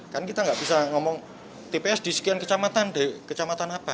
kan kita nggak bisa ngomong tps di sekian kecamatan apa